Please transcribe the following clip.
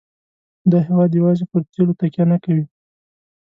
دا هېواد یوازې پر تیلو تکیه نه کوي.